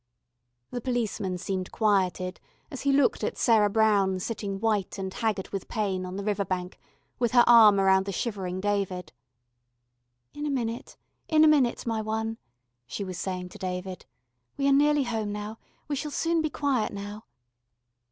The policeman seemed quieted, as he looked at Sarah Brown sitting, white and haggard with pain, on the river bank, with her arm round the shivering David. "In a minute, in a minute, my One," she was saying to David. "We are nearly home now. We shall soon be quiet now."